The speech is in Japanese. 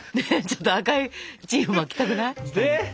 ちょっと赤いチーフ巻きたくない？